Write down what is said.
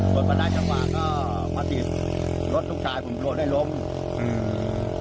ครับบนบันไดชาวะก็มาติดรถทุกชายผมโปรดให้ล้มอืม